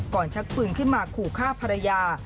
ชักปืนขึ้นมาขู่ฆ่าภรรยา